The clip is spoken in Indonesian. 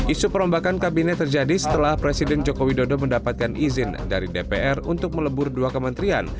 isu perombakan kabinet terjadi setelah presiden joko widodo mendapatkan izin dari dpr untuk melebur dua kementerian